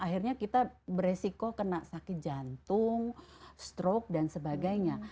akhirnya kita beresiko kena sakit jantung stroke dan sebagainya